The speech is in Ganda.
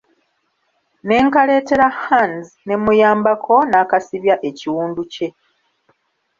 Ne nkaleetera Hands ne mmuyambako n'akasibya ekiwundu kye.